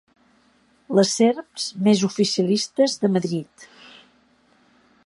Les serps més oficialistes de Madrid.